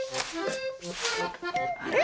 あれ⁉